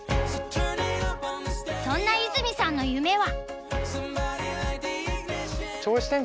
そんな和泉さんの夢は。